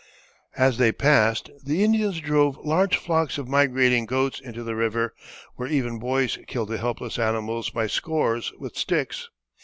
As they passed the Indians drove large flocks of migrating goats into the river, where even boys killed the helpless animals by scores with sticks.